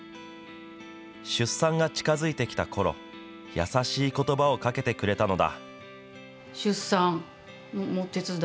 出産が近づいてきたころ、優しいことばをかけてくれたのだ。